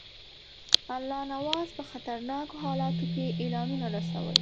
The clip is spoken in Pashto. الله نواز په خطرناکو حالاتو کې اعلانونه رسول.